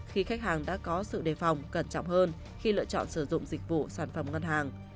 khi khách hàng đã có sự đề phòng cẩn trọng hơn khi lựa chọn sử dụng dịch vụ sản phẩm ngân hàng